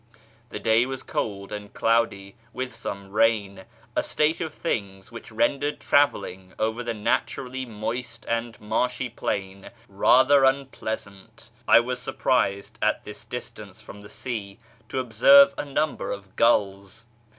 The day was cold and cloudy with some rain, a state of things wliich rendered travelling over the naturally moist and marshy plain rather unpleasant. I was surprised, at this distance from the sea, to observe a number of gulls.